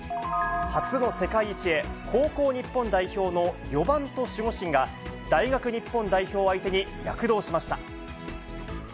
初の世界一へ、高校日本代表の４番と守護神が、大学日本代表を相手に躍動しました。